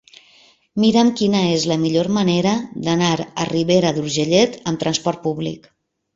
Mira'm quina és la millor manera d'anar a Ribera d'Urgellet amb trasport públic.